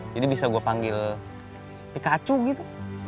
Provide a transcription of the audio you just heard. jadi bisa gue panggil pikachu gitu